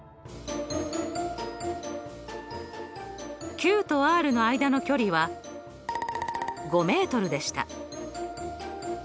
ＱとＲの間の距離は５ｍでした。